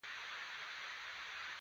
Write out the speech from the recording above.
د غوږ په مجرا کې نري وېښتان شته.